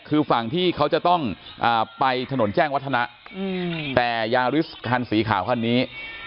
คือฝั่งที่เขาจะต้องไปถนนแจ้งวัฒนะแต่ยาริสคันสีขาวคันนี้